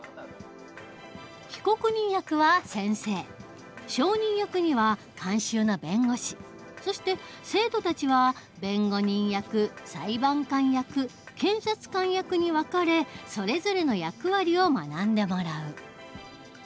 被告人役は先生証人役には監修の弁護士そして生徒たちは弁護人役裁判官役検察官役に分かれそれぞれの役割を学んでもらう。